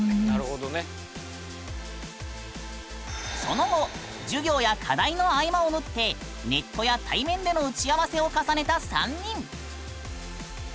その後授業や課題の合間を縫ってネットや対面での打ち合わせを重ねた３人。